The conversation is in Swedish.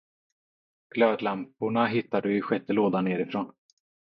Glödlamporna hittar du i sjätte lådan nerifrån.